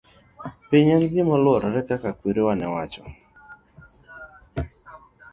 piny en gima olworore kaka kwerewa nowacho